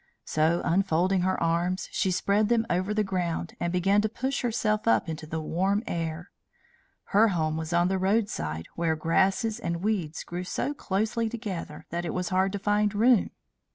So, unfolding her arms, she spread them over the ground, and began to push herself up into the warm air. Her home was on the roadside, where grasses and weeds grew so closely together that it was hard to find room.